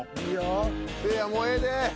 せいやもうええで。